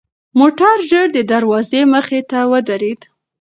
موټر ژر د دروازې مخې ته ودرېد.